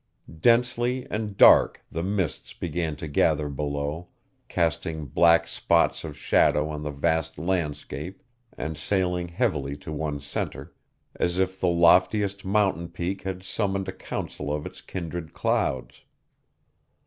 Densely and dark the mists began to gather below, casting black spots of shadow on the vast landscape, and sailing heavily to one centre, as if the loftiest mountain peak had summoned a council of its kindred clouds.